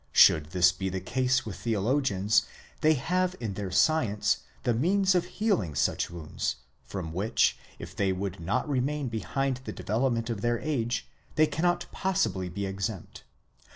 Should this be the case with theologians, they have in their science the means of healing such wounds, from which, if they would not remain behind the de velopment of their age, they cannot possibly be exempt.